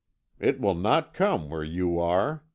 It will not come where you are.